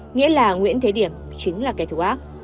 nghĩa là nguyễn thế điểm chính là kẻ thù ác